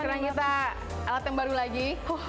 sekarang kita alat yang baru lagi